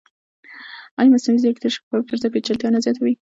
ایا مصنوعي ځیرکتیا د شفافیت پر ځای پېچلتیا نه زیاتوي؟